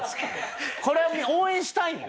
これは応援したいもん。